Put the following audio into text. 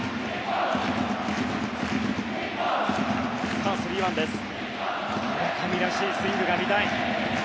さあ、村上らしいスイングが見たい。